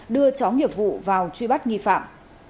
đưa chóng hiệp vụ vào truy bắt nghi phạm